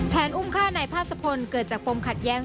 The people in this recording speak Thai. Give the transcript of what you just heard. แผนอุ้มค่าในผ้าสะพนเกิดจากปมขัดแย้ง